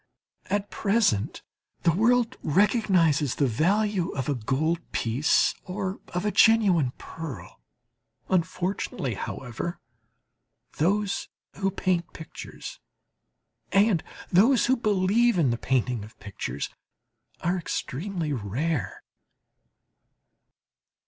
At present the world recognizes the value of a gold piece, or of a genuine pearl. Unfortunately, however, those who paint pictures and those who believe in the painting of pictures, are extremely rare.